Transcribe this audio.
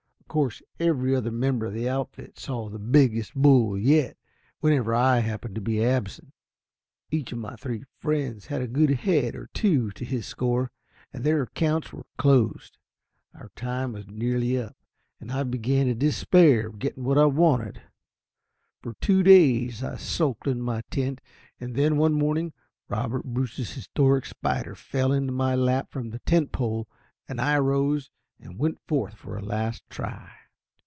Of course every other member of the outfit saw the "biggest bull yet" whenever I happened to be absent. Each of my three friends had a good head or two to his score, and their accounts were closed. Our time was nearly up, and I began to despair of getting what I wanted. For two days I sulked in my tent, and then one morning Robert Bruce's historic spider fell into my lap from the tent pole, and I arose and went forth for a last try.